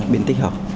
biến tích hợp